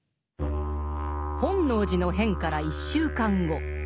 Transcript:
本能寺の変から１週間後。